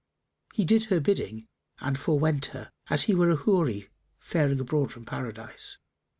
He did her bidding and forewent her, as he were a Houri faring abroad from Paradise.